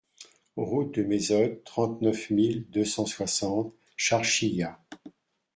Route de Maisod, trente-neuf mille deux cent soixante Charchilla